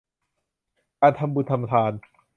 การทำบุญทำทาน